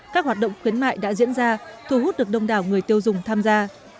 các hoạt động khuyến mại đã diễn ra thu hút được đông đảo người tiêu dùng tham gia